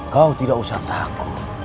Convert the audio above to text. kau tidak usah takut